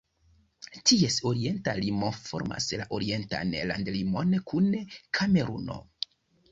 Ties orienta limo formas la orientan landlimon kun Kameruno.